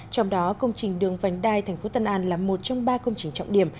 trong đó công trình đường vành đai thành phố tân an là một trong ba công trình trọng điểm